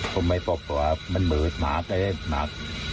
ผมไม่จบว่ามันหมืดหมาหมา